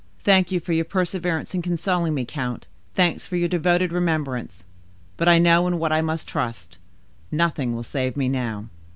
Thank you for your perseverance in consoling me, count, thanks for your devoted remembrance, but I know in what I must trust—nothing will save me now.